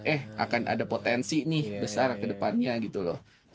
eh akan ada potensi nih besar kedepannya gitu loh